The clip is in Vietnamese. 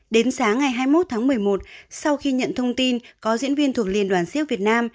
đến sáng ngày hai mươi một tháng một mươi một sau khi nhận thông tin có diễn viên thuộc liên đoàn siếc việt nam